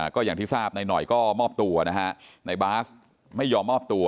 ก็อย่างที่ทราบนายหน่อยก็มอบตัวนะฮะนายบาสไม่ยอมมอบตัว